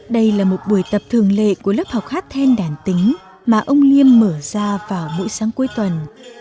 đây là một buổi tập thường lệ của lớp học hát then đàn tính mà ông liêm mở ra vào mỗi sáng cuối tuần